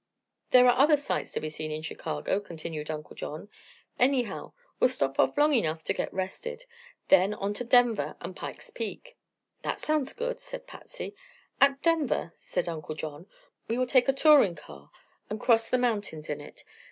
"There are other sights to be seen in Chicago," continued Uncle John. "Anyhow, we'll stop off long enough to get rested. Then on to Denver and Pike's Peak." "That sounds good," said Patsy. "At Denver," said Uncle John, "we will take a touring car and cross the mountains in it.